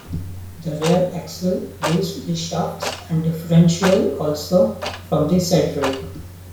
The rear axle used the shafts and differential also from the Cedric.